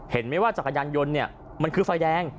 เห็นไหมว่าจักรยานยนต์เนี่ยมันคือไฟแดง